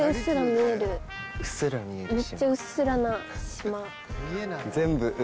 めっちゃうっすらな島。